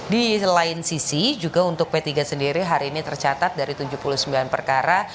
di lain sisi juga untuk p tiga sendiri hari ini tercatat dari tujuh puluh sembilan perkara